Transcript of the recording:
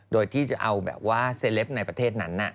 โดยที่จะเอาแบบว่าเซเลปในประเทศนั้น